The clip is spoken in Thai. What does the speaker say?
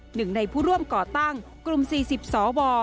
หนึ่งในผู้ร่วมก่อตั้งกลุ่ม๔๐สว